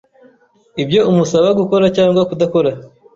ibyo umusaba gukora cyangwa kudakora